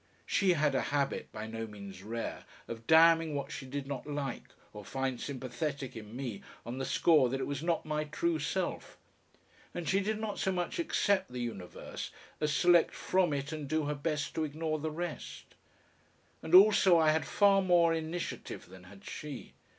She had a habit, by no means rare, of damning what she did not like or find sympathetic in me on the score that it was not my "true self," and she did not so much accept the universe as select from it and do her best to ignore the rest. And also I had far more initiative than had she.